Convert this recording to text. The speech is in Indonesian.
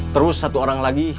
terus satu orang lagi